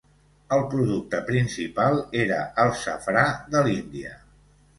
El producte principal era el safrà de l'Índia.